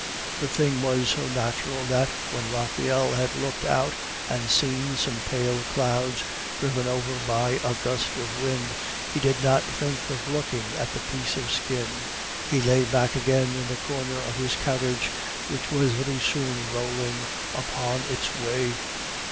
The thing was so natural, that, when Raphael had looked out and seen some pale clouds driven over by a gust of wind, he did not think of looking at the piece of skin. He lay back again in the corner of his carriage, which was very soon rolling upon its way.